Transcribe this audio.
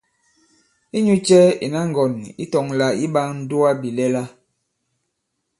Inyu cɛ ìna ŋgɔ̀n ǐ tɔ̄ŋ lā ǐ ɓā ǹdugabìlɛla ?